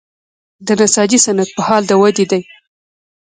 د نساجي صنعت په حال د ودې دی